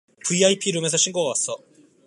브이아이피룸에서 신고가 왔어